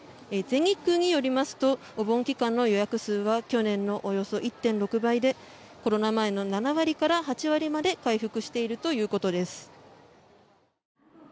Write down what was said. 全日空によりますとお盆期間の予約数は去年のおよそ１．６倍でコロナ前の７割から８割まで回復しているということです。